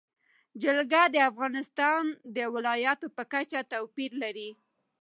جلګه د افغانستان د ولایاتو په کچه توپیر لري.